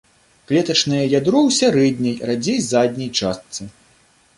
Клетачнае ядро ў сярэдняй, радзей задняй частцы.